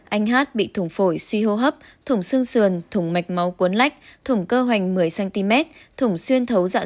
anh h bị thủng phổi suy hô hấp thủng xương sườn thủng mạch máu cuốn lách thủng cơ hoành một mươi cm thủng xuyên thấu dạ dày